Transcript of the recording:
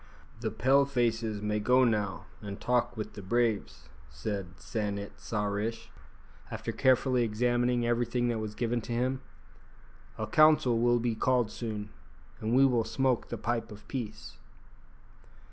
"The Pale faces may go now and talk with the braves," said San it sa rish, after carefully examining everything that was given to him; "a council will be called soon, and we will smoke the pipe of peace."